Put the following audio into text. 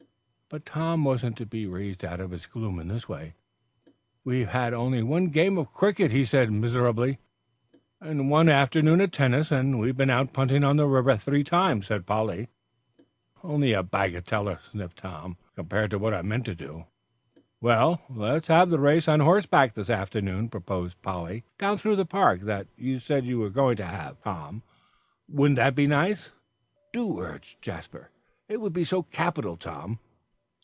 But Tom wasn't to be raised out of his gloom in this way. "We've had only one game of cricket," he said miserably. "And one afternoon at tennis, and we've been out punting on the river three times," said Polly. "What's that? only a bagatelle," sniffed Tom, "compared to what I meant to do." "Well, let's have the race on horseback this afternoon," proposed Polly, "down through the park, that you said you were going to have, Tom. Wouldn't that be nice?" "Do," urged Jasper. "It would be so capital, Tom."